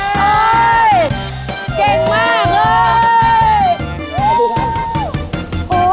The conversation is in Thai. เก่งมากเลย